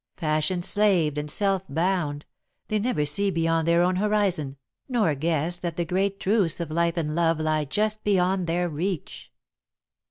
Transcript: Passion slaved and self bound, they never see beyond their own horizon, nor guess that the great truths of life and love lie just beyond their reach.